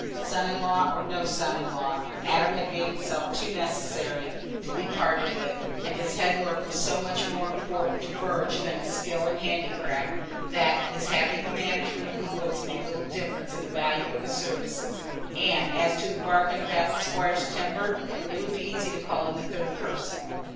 Son in law or no son in law, Adam had made himself too necessary to be parted with, and his headwork was so much more important to Burge than his skill in handicraft that his having the management of the woods made little difference in the value of his services; and as to the bargains about the squire's timber, it would be easy to call in a third person.